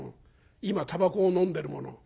今たばこをのんでるもの」。